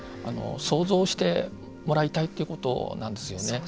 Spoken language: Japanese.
想像してもらいたいということなんですよね。